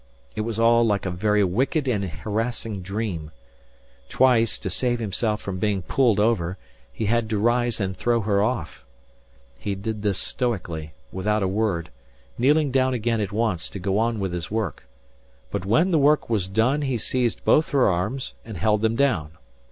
It was all like a very wicked and harassing dream. Twice, to save himself from being pulled over, he had to rise and throw her off. He did this stoically, without a word, kneeling down again at once to go on with his work. But when the work was done he seized both her arms and held them down.